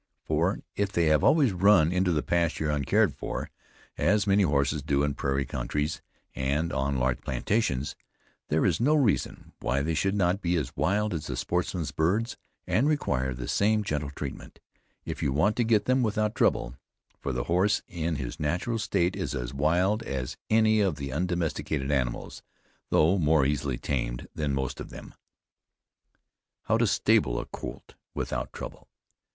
For, if they have always run into the pasture uncared for, (as many horses do in prairie countries and on large plantations,) there is no reason why they should not be as wild as the sportsman's birds and require the same gentle treatment, if you want to get them without trouble; for the horse in his natural state is as wild as any of the undomesticated animals, though more easily tamed than most of them. HOW TO STABLE A COLT WITHOUT TROUBLE.